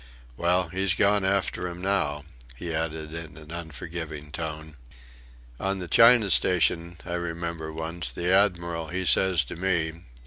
"Well he's gone after 'em now," he added in an unforgiving tone. "On the China Station, I remember once, the Admiral he says to me..."